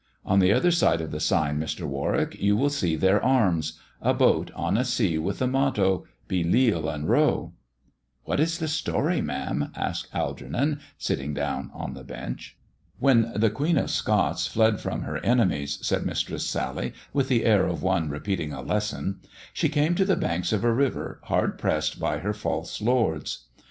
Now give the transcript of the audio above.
On the other side of the sign, Mr. Warwick, you will see their arms ; a boat on a sea with the motto ' Be Leal and Row.' "" What is the story, ma'am 1 " asked Algernon, sitting down on the bench. " When the Queen of Scots fled from her enemies," said Mistress Sally, with the air of one repeating a lesson, " she came to the banks of a river hard pressed by her false lords.